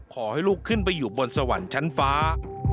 ขอให้ลูกขึ้นไปอยู่บนสวรรค์ชั้นฟ้า